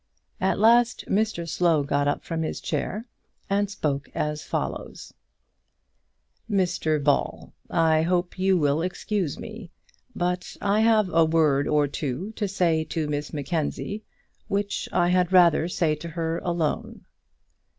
At last Mr Slow got up from his chair, and spoke as follows: "Mr Ball, I hope you will excuse me; but I have a word or two to say to Miss Mackenzie, which I had rather say to her alone."